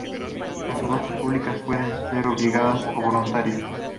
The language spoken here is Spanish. Las subastas públicas pueden ser obligadas o voluntarias.